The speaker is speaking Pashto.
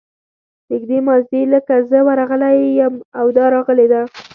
نږدې ماضي لکه زه ورغلی یم او دا راغلې ده.